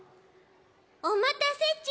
おまたせち。